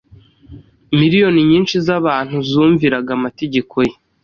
Miliyoni nyinshi z’abantu zumviraga amategeko ye.